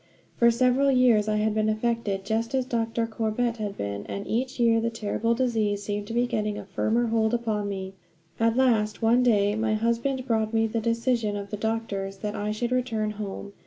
For several years I had been affected just as Dr. Corbett had been, and each year the terrible disease seemed to be getting a firmer hold upon me. At last, one day my husband brought me the decision of the doctors, that I should return home.